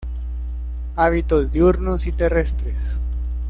Hábitos diurnos y terrestres.